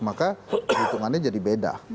maka hitungannya jadi beda